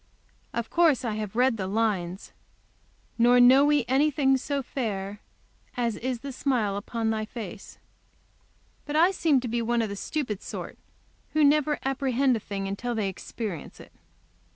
Of course I have read the lines, "Nor know we anything so fair As is the smile upon thy face;" but I seem to be one of the stupid sort, who never apprehend a thing till they experience it.